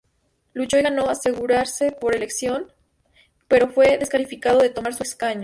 Luchó y ganó asegurarse por elección, pero fue descalificado de tomar su escaño.